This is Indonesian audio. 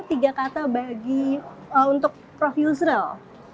tiga kata bagi untuk prof yusril